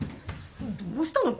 どうしたの？